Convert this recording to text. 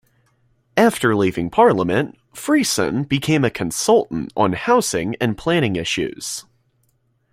After leaving Parliament, Freeson became a consultant on housing and planning issues.